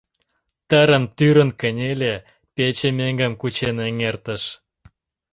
Тырын-тӱрын кынеле, пече меҥгым кучен эҥертыш.